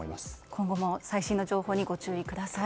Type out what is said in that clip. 今後も最新の情報にご注意ください。